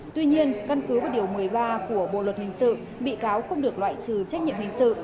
tuy nhiên căn cứ vào điều một mươi ba của bộ luật hình sự bị cáo không được loại trừ trách nhiệm hình sự